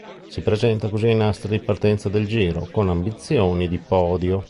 Si presenta così ai nastri di partenza del Giro con ambizioni di podio.